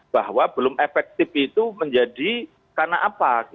bahwa belum efektif itu menjadi karena apa